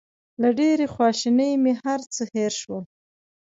له ډېرې خواشینۍ مې هر څه هېر شول.